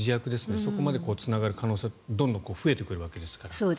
そこまでつながる可能性がどんどん増えてくるわけですから。